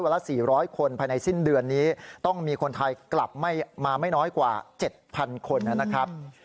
ละ๔๐๐คนภายในสิ้นเดือนนี้ต้องมีคนไทยกลับมาไม่น้อยกว่า๗๐๐คนนะครับ